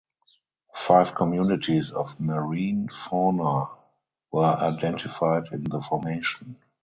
Five communities of marine fauna were identified in the formation.